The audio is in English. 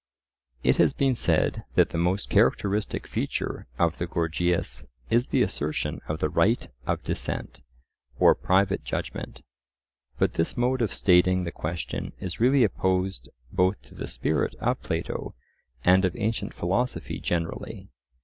It has been said that the most characteristic feature of the Gorgias is the assertion of the right of dissent, or private judgment. But this mode of stating the question is really opposed both to the spirit of Plato and of ancient philosophy generally.